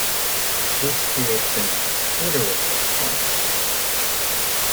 This creates an Iterable object.